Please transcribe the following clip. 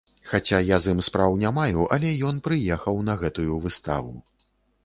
Хаця я з ім спраў не маю, але ён прыехаў на гэтую выставу.